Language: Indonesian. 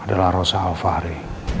adalah rosa alvari